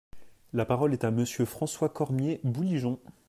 La parole est à Monsieur François Cormier-Bouligeon.